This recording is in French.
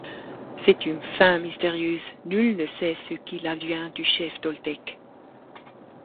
C'est une fin mystérieuse, nul ne sait ce qu'il advient du chef toltèque.